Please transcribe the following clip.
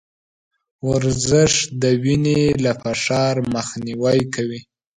ورزش د وينې له فشار مخنيوی کوي.